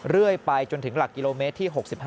เรื่อยไปจนถึงหลักกิโลเมตรที่๖๕